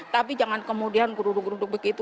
tapi jangan kemudian guruduk guruduk begitu